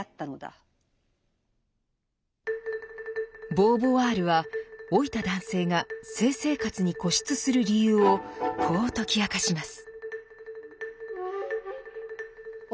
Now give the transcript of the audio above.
ボーヴォワールは老いた男性が性生活に固執する理由をこう解き明かします。